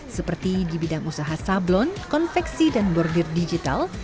seperti di bidang usaha sablon konveksi dan bordir digital